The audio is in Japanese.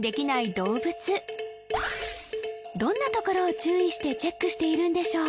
動物どんなところを注意してチェックしているんでしょう？